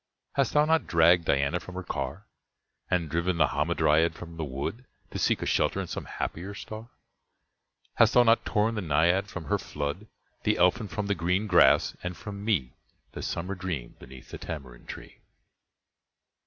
Hast thou not dragged Diana from her car? And driven the Hamadryad from the wood To seek a shelter in some happier star? Hast thous not torn the Naiad from her flood, The Elfin from the green grass, and from me The summer dream beneath the tamarind tree?